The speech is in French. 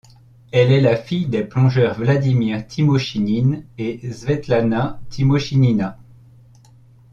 Elle est la fille des plongeurs Vladimir Timoshinin et Svetlana Timoshinina.